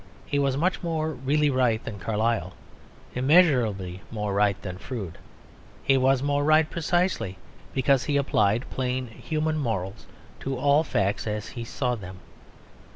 He was much more really right than Carlyle; immeasurably more right than Froude. He was more right precisely because he applied plain human morals to all facts as he saw them.